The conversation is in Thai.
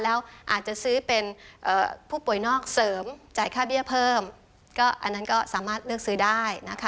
แล้วอาจจะซื้อเป็นผู้ป่วยนอกเสริมจ่ายค่าเบี้ยเพิ่มก็อันนั้นก็สามารถเลือกซื้อได้นะคะ